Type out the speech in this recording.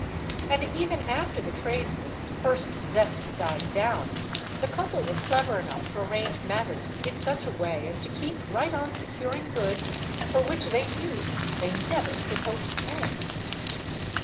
And even after the tradesmen's first zest died down, the couple were clever enough to arrange matters in such a way as to keep right on securing goods for which they knew they never could hope to pay.